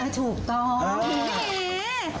ถูกต้องเห็นไหม